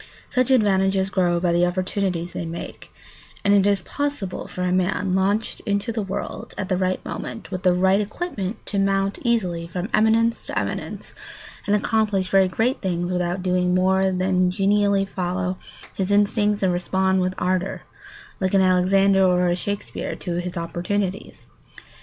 Such advantages grow by the opportunities they make; and it is possible for a man launched into the world at the right moment with the right equipment to mount easily from eminence to eminence and accomplish very great things without doing more than genially follow his instincts and respond with ardour, like an Alexander or a Shakespeare, to his opportunities.